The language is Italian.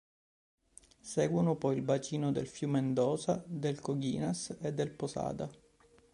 Seguono poi il bacino del Flumendosa, del Coghinas e del Posada.